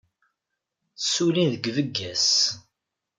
Ssullin deg Vegas.